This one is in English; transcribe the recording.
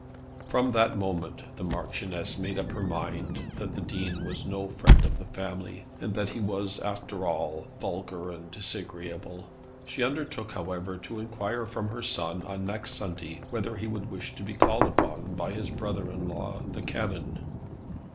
From that moment the Marchioness made up her mind that the Dean was no friend of the family, and that he was, after all, vulgar and disagreeable. She undertook, however, to enquire from her son on next Sunday whether he would wish to be called upon by his brother in law, the Canon.